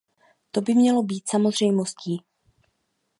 To by mělo být samozřejmostí.